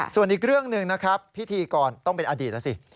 ส่วนอีกเรื่องหนึ่งนะครับพิธีกรต้องเป็นอดีตแล้วสิ